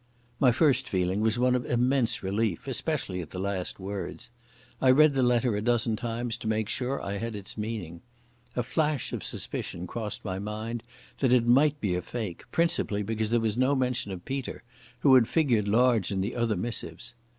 My first feeling was one of immense relief, especially at the last words. I read the letter a dozen times to make sure I had its meaning. A flash of suspicion crossed my mind that it might be a fake, principally because there was no mention of Peter, who had figured large in the other missives.